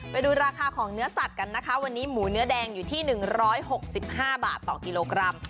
ไปดูราคาของเนื้อสัตว์กันนะคะวันนี้หมูเนื้อแดงอยู่ที่๑๖๕บาทต่อกิโลกรัม